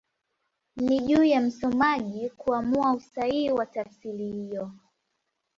Ni juu ya msomaji kuamua usahihi wa tafsiri hiyo